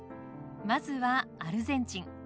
まずはアルゼンチン。